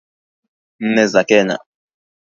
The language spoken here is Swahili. nne za Kenya